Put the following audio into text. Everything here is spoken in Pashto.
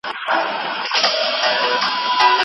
استاد وویل چي لارښود باید له شاګرد سره مرسته وکړي.